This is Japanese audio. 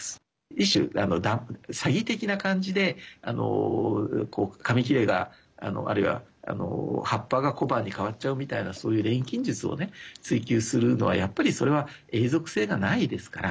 一種、詐欺的な感じで紙切れがあるいは葉っぱが小判に変わっちゃうみたいなそういう錬金術を追求するのはやっぱりそれは永続性がないですから。